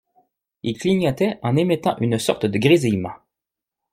Il clignotait en émettant une sorte de grésillement.